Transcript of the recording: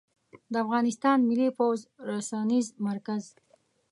د افغانستان ملى پوځ رسنيز مرکز